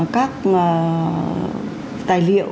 các tài liệu